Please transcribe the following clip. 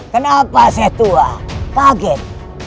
kenapa setua kaget